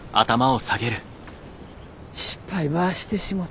失敗ばしてしもた。